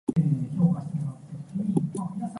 大概佔本地生產總值百分之二